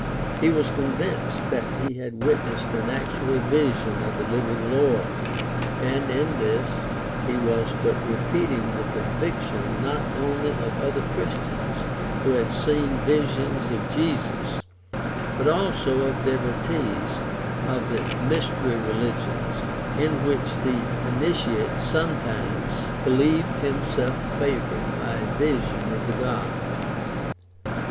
He was convinced that he had witnessed an actual vision of the living Lord, and in this he was but repeating the conviction not only of other 284 GUIDE TO STUDY OF CHRISTIAN RELIGION Christians who had seen visions of Jesus, but also of devotees of the mystery religions in which the initiate sometimes believed himself favored by a vision of the god.